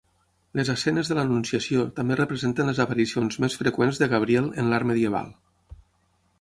Les escenes de l'Anunciació també representen les aparicions més freqüents de Gabriel en l'art medieval.